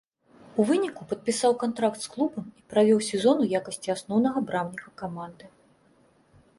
У выніку падпісаў кантракт з клубам і правёў сезон у якасці асноўнага брамніка каманды.